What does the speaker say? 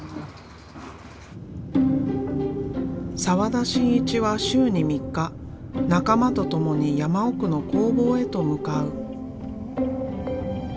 澤田真一は週に３日仲間と共に山奥の工房へと向かう。